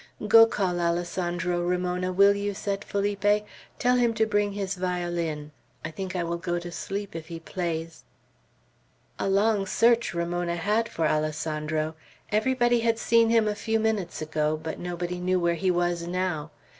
"Go call Alessandro, Ramona, will you?" said Felipe. "Tell him to bring his violin. I think I will go to sleep if he plays." A long search Ramona had for Alessandro. Everybody had seen him a few minutes ago, but nobody knew where he was now.